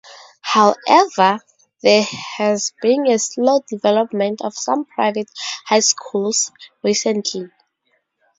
However, there has been a slow development of some private high schools recently.